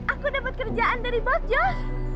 aku dapat kerjaan dari bos joss